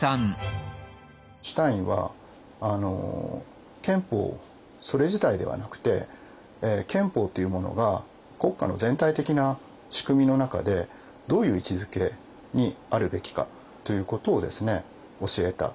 シュタインは憲法それ自体ではなくて憲法っていうものが国家の全体的な仕組みの中でどういう位置付けにあるべきかということを教えたわけですね。